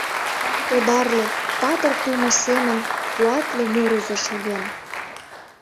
Одарле, патыр тумо семын Куатле мурызо шоген.